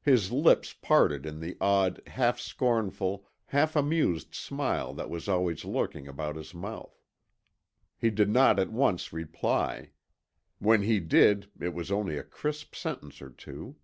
His lips parted in the odd, half scornful, half amused smile that was always lurking about his mouth. He did not at once reply. When he did it was only a crisp sentence or two.